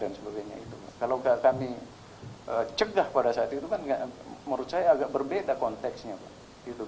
kalau nggak kami cegah pada saat itu kan menurut saya agak berbeda konteksnya pak